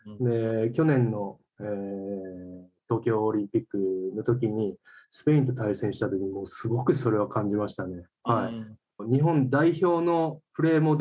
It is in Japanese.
去年の東京オリンピックのときにスペインと対戦したときもすごくそれは感じましたね。